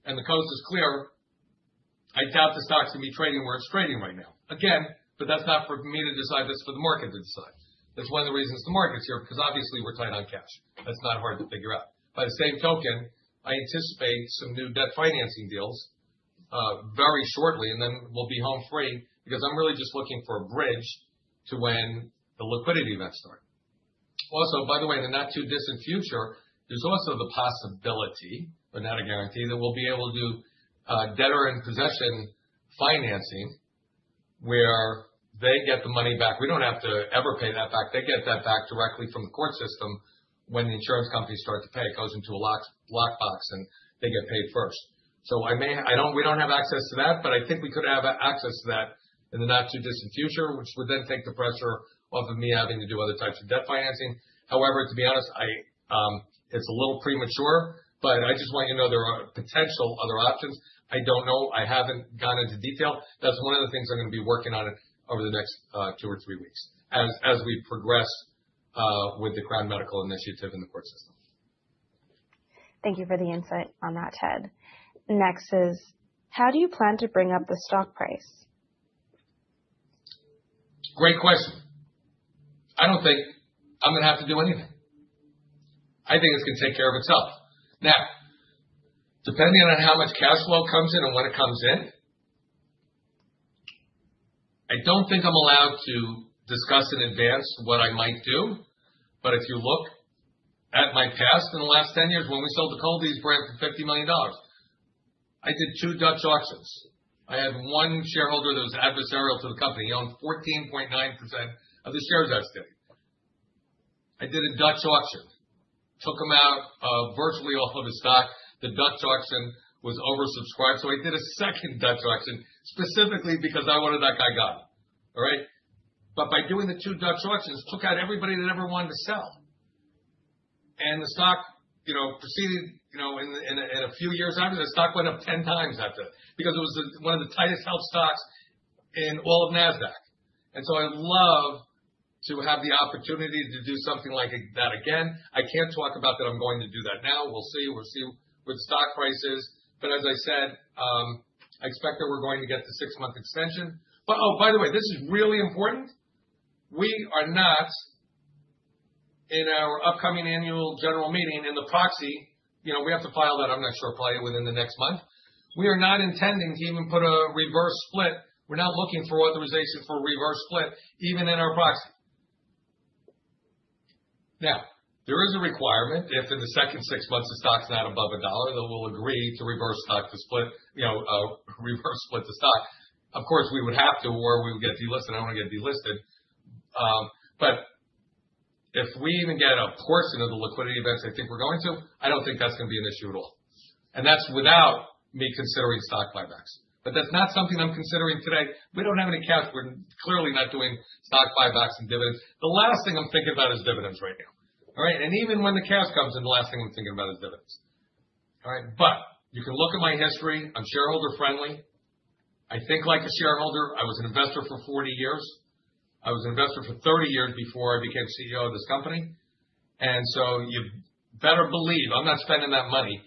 and the coast is clear, I doubt the stock's going to be trading where it's trading right now. Again, but that's not for me to decide, that's for the market to decide. That's one of the reasons the market's here because obviously we're tight on cash. That's not hard to figure out. By the same token, I anticipate some new debt financing deals very shortly and then we'll be home free because I'm really just looking for a bridge to when the liquidity events start. Also, by the way, in the not too distant future, there's also the possibility, but not a guarantee, that we'll be able to do debtor in possession financing where they get the money back. We don't have to ever pay that back. They get that back directly from the court system when the insurance companies start to pay. It goes into a lockbox and they get paid first. I may, I don't, we don't have access to that, but I think we could have access to that in the not too distant future, which would then take the pressure off of me having to do other types of debt financing. However, to be honest, it's a little premature, but I just want you to know there are potential other options. I don't know. I haven't gone into detail. That's one of the things I'm going to be working on over the next two or three weeks as we progress with the Crown Medical initiative in the court system.
Thank you for the insight on that, Ted. Next is, how do you plan to bring up the stock price?
Great question. I don't think I'm going to have to do anything. I think it's going to take care of itself. Now, depending on how much cash flow comes in and when it comes in, I don't think I'm allowed to discuss in advance what I might do. If you look at my past in the last 10 years when we sold the Cold-Eeze brand for $50 million, I did two Dutch auctions. I had one shareholder that was adversarial to the company. He owned 14.9% of the shares I was getting. I did a Dutch auction, took them out virtually off of the stock. The Dutch auction was oversubscribed. I did a second Dutch auction specifically because I wanted that guy gone. All right. By doing the two Dutch auctions, I took out everybody that ever wanted to sell. The stock, you know, proceeded, you know, in a few years after the stock went up 10 times after that because it was one of the tightest held stocks in all of NASDAQ. I love to have the opportunity to do something like that again. I can't talk about that. I'm going to do that now. We'll see. We'll see what the stock price is. As I said, I expect that we're going to get the six-month extension. Oh, by the way, this is really important. We are not, in our upcoming annual general meeting in the proxy, you know, we have to file that. I'm not sure, probably within the next month. We are not intending to even put a reverse split. We're not looking for authorization for reverse split even in our proxy. Now, there is a requirement if in the second six months the stock's not above a dollar that we'll agree to reverse stock to split, you know, reverse split the stock. Of course, we would have to or we would get delisted. I don't want to get delisted. If we even get a portion of the liquidity events I think we're going to, I don't think that's going to be an issue at all. That's without me considering stock buybacks. That's not something I'm considering today. We don't have any cash. We're clearly not doing stock buybacks and dividends. The last thing I'm thinking about is dividends right now. All right. Even when the cash comes in, the last thing I'm thinking about is dividends. All right. You can look at my history. I'm shareholder friendly. I think like a shareholder. I was an investor for 40 years. I was an investor for 30 years before I became CEO of this company. You better believe I'm not spending that money.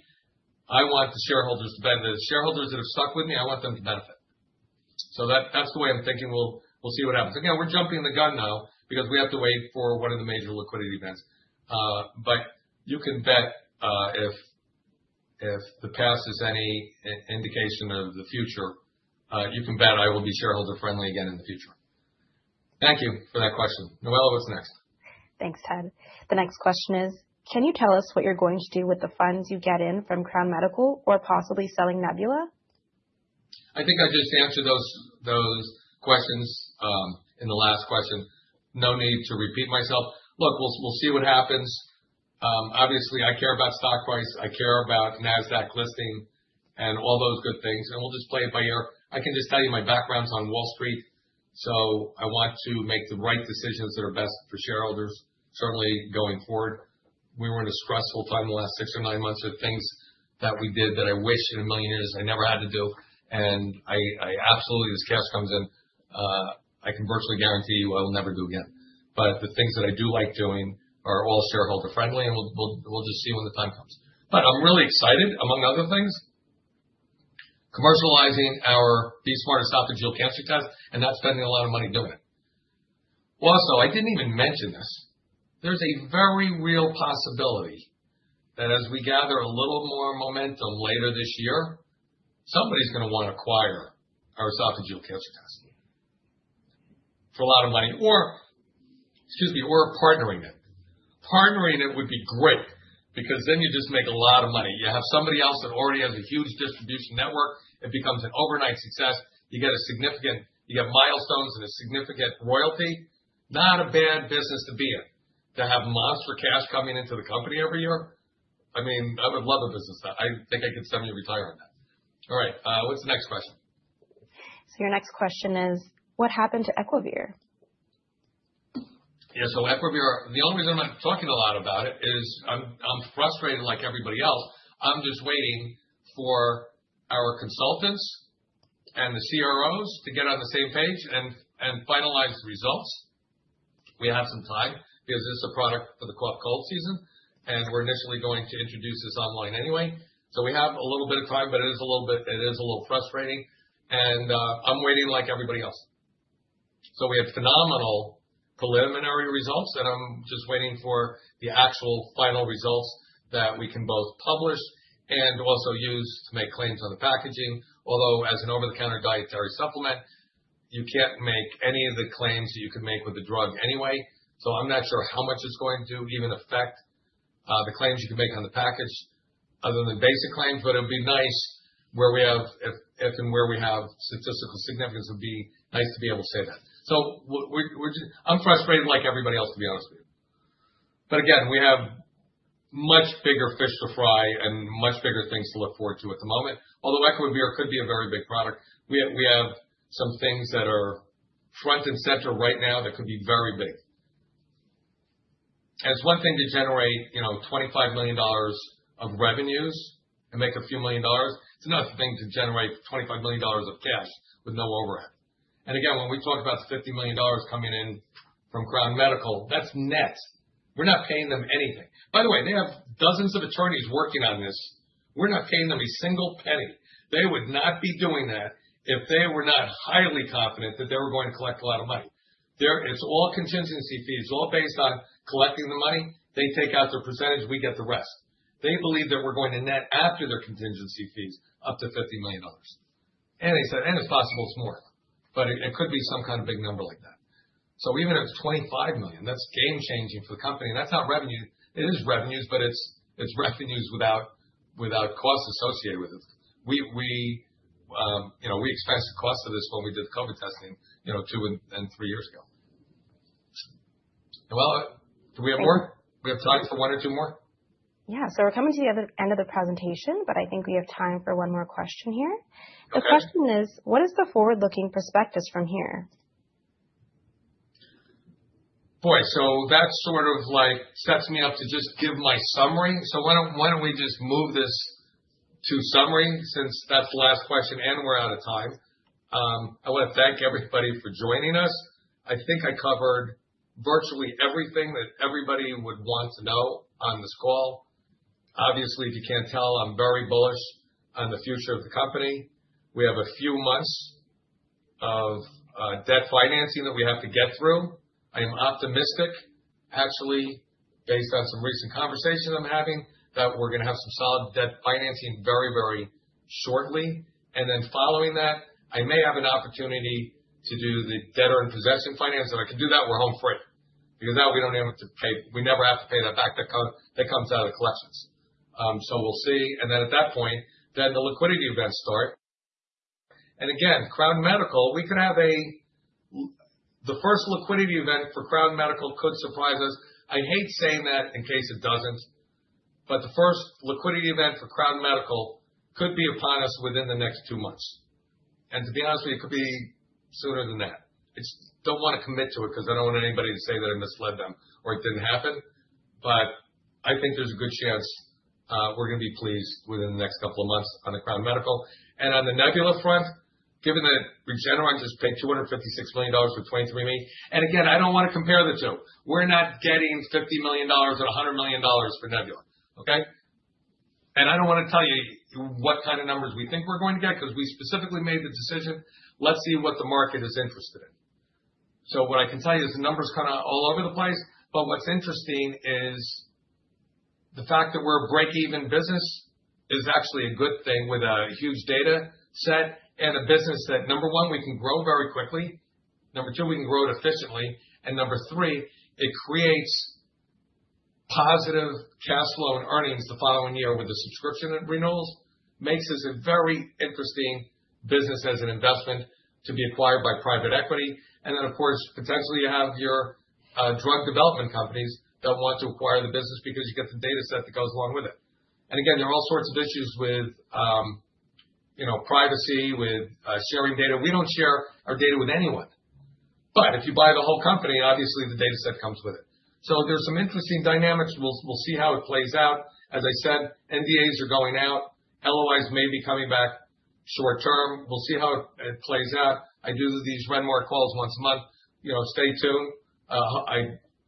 I want the shareholders to benefit. The shareholders that have stuck with me, I want them to benefit. That's the way I'm thinking. We'll see what happens. Again, we're jumping the gun though because we have to wait for one of the major liquidity events. You can bet if the past is any indication of the future, you can bet I will be shareholder friendly again in the future. Thank you for that question. Noella, what's next?
Thanks, Ted. The next question is, can you tell us what you're going to do with the funds you get in from Crown Medical or possibly selling Nebula?
I think I just answered those questions in the last question. No need to repeat myself. Look, we'll see what happens. Obviously, I care about stock price. I care about NASDAQ listing and all those good things. We'll just play it by ear. I can just tell you my background's on Wall Street. I want to make the right decisions that are best for shareholders certainly going forward. We were in a stressful time in the last six or nine months with things that we did that I wish in a million years I never had to do. I absolutely, as cash comes in, I can virtually guarantee you I will never do again. The things that I do like doing are all shareholder friendly and we'll just see when the time comes. I'm really excited, among other things, commercializing our BE-Smart Esophageal Cancer Test and not spending a lot of money doing it. Also, I didn't even mention this. There's a very real possibility that as we gather a little more momentum later this year, somebody's going to want to acquire our esophageal cancer test for a lot of money or, excuse me, or partnering it. Partnering it would be great because then you just make a lot of money. You have somebody else that already has a huge distribution network. It becomes an overnight success. You get a significant, you get milestones and a significant royalty. Not a bad business to be in. To have monster cash coming into the company every year. I mean, I would love a business that I think could send me to retirement. All right. What's the next question?
Your next question is, what happened to Equivir?
Yeah. Equivir, the only reason I'm not talking a lot about it is I'm frustrated like everybody else. I'm just waiting for our consultants and the CROs to get on the same page and finalize the results. We have some time because it's a product for the cold season and we're initially going to introduce this online anyway. We have a little bit of time, but it is a little frustrating and I'm waiting like everybody else. We have phenomenal preliminary results and I'm just waiting for the actual final results that we can both publish and also use to make claims on the packaging. Although as an over-the-counter dietary supplement, you can't make any of the claims that you could make with the drug anyway. I'm not sure how much it's going to even affect the claims you can make on the package other than basic claims, but it would be nice where we have, if and where we have statistical significance, it would be nice to be able to say that. I'm frustrated like everybody else, to be honest with you. Again, we have much bigger fish to fry and much bigger things to look forward to at the moment. Although Equivir could be a very big product, we have some things that are front and center right now that could be very big. It's one thing to generate, you know, $25 million of revenues and make a few million dollars. It's another thing to generate $25 million of cash with no overhead. Again, when we talk about the $50 million coming in from Crown Medical, that's net. We're not paying them anything. By the way, they have dozens of attorneys working on this. We're not paying them a single penny. They would not be doing that if they were not highly confident that they were going to collect a lot of money. It's all contingency fees. It's all based on collecting the money. They take out their percentage. We get the rest. They believe that we're going to net after their contingency fees up to $50 million. They said, and it's possible it's more, but it could be some kind of big number like that. Even if it's $25 million, that's game changing for the company. That's not revenue. It is revenues, but it's revenues without costs associated with it. You know, we expensed the cost of this when we did the COVID testing, you know, two and three years ago. Do we have more? We have time for one or two more?
Yeah. We're coming to the end of the presentation, but I think we have time for one more question here. The question is, what is the forward-looking perspectives from here?
Boy, that sort of like sets me up to just give my summary. Why don't we just move this to summary since that's the last question and we're out of time? I want to thank everybody for joining us. I think I covered virtually everything that everybody would want to know on this call. Obviously, if you can't tell, I'm very bullish on the future of the company. We have a few months of debt financing that we have to get through. I am optimistic, actually, based on some recent conversations I'm having that we're going to have some solid debt financing very, very shortly. Following that, I may have an opportunity to do the debtor in possession finance. If I can do that, we're home free because now we don't have to pay, we never have to pay that back. That comes out of the collections. We'll see. At that point, the liquidity events start. Again, Crown Medical, we could have a, the first liquidity event for Crown Medical could surprise us. I hate saying that in case it does not, but the first liquidity event for Crown Medical could be upon us within the next two months. To be honest with you, it could be sooner than that. I do not want to commit to it because I do not want anybody to say that I misled them or it did not happen. I think there is a good chance we are going to be pleased within the next couple of months on the Crown Medical. On the Nebula front, given that Regeneron just paid $256 million for 23andMe. I do not want to compare the two. We are not getting $50 million or $100 million for Nebula. Okay. I do not want to tell you what kind of numbers we think we are going to get because we specifically made the decision. Let us see what the market is interested in. What I can tell you is the number is kind of all over the place. What is interesting is the fact that we are a break-even business is actually a good thing with a huge data set and a business that, number one, we can grow very quickly. Number two, we can grow it efficiently. Number three, it creates positive cash flow and earnings the following year with the subscription renewals. It makes us a very interesting business as an investment to be acquired by private equity. Of course, potentially you have your drug development companies that want to acquire the business because you get the data set that goes along with it. Again, there are all sorts of issues with, you know, privacy with sharing data. We do not share our data with anyone. If you buy the whole company, obviously the data set comes with it. There are some interesting dynamics. We will see how it plays out. As I said, NDAs are going out. LOIs may be coming back short term. We will see how it plays out. I do these RENMark calls once a month. You know, stay tuned.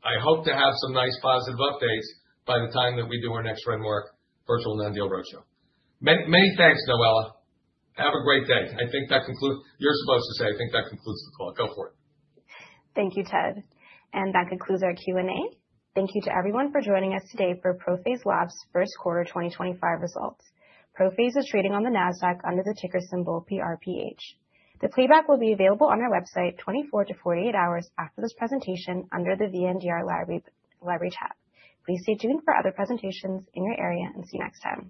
I hope to have some nice positive updates by the time that we do our next RENMark virtual non-deal roadshow. Many thanks, Noella. Have a great day. I think that concludes, you are supposed to say, I think that concludes the call. Go for it.
Thank you, Ted. That concludes our Q&A. Thank you to everyone for joining us today for ProPhase Labs first quarter 2025 results. ProPhase is trading on the NASDAQ under the ticker symbol PRPH. The playback will be available on our website 24 to 48 hours after this presentation under the VNDR Library tab. Please stay tuned for other presentations in your area and see you next time.